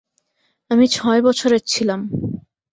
আমি ছয় বছরের ছিলাম।